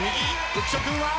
浮所君は？